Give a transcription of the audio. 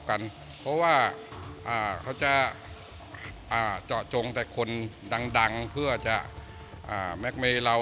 เพราะว่าเขาจะเจาะจงแต่คนดังเพื่อจะแม็กเมย์เรา